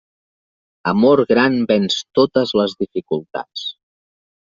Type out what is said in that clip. Amor gran venç totes les dificultats.